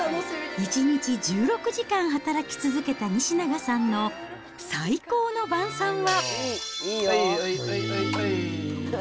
１日１６時間働き続けた西永さんの最高の晩さんは。